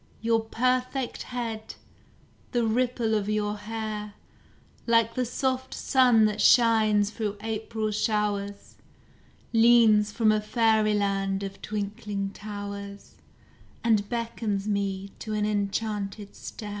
Your perfect head, the ripple of your hair, Like the soft sun that shines through April showers, Leans from a fairyland of twinkling towers, And beckons me to an enchanted stair.